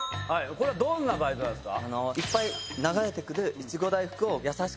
これはどんなバイトなんですか？